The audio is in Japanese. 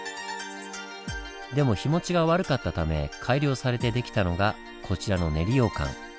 でも日もちが悪かったため改良されて出来たのがこちらの練りようかん。